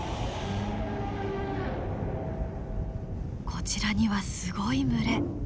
こちらにはすごい群れ。